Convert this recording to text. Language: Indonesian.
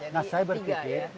nah saya berpikir